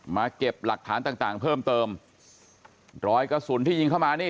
เก็บหลักฐานต่างต่างเพิ่มเติมรอยกระสุนที่ยิงเข้ามานี่